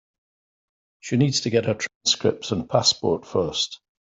She needs to get her transcripts and passport first.